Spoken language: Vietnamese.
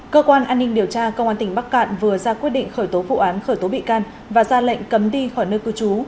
cơ quan an ninh điều tra công an tỉnh bắc cạn vừa ra quyết định khởi tố vụ án khởi tố bị can và ra lệnh cấm đi khỏi nơi cư trú